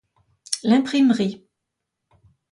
L'imprimerie.